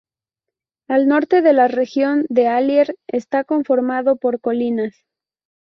El norte de la región de Allier está conformado por colinas.